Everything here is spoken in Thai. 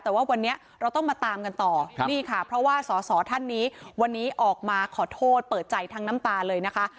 แต่ว่าวันนี้เราต้องมาตามกันต่อนี่ค่ะเพราะว่าสอสอท่านนี้วันนี้ออกมาขอโทษเปิดใจทั้งน้ำตาเลยนะคะ